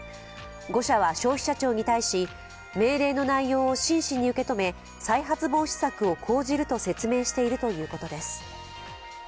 ５社は消費者庁に対し、命令の内容を真摯に受け止め、再発防止策を講じると説明しているということです。